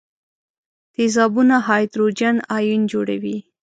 تیزابونه هایدروجن ایون جوړوي.